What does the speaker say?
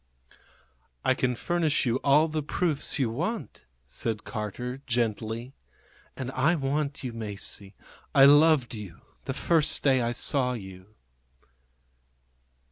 "I can furnish you all the proofs you want," said Carter, gently. "And I want you, Masie. I loved you the first day I saw you."